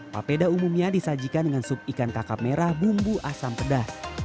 papeda umumnya disajikan dengan sup ikan kakap merah bumbu asam pedas